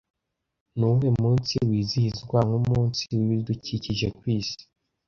Nuwuhe munsi wizihizwa nk'umunsi w’ibidukikije ku isi